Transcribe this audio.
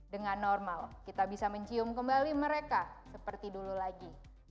dengan normal kita bisa mencium kembali mereka seperti dulu lagi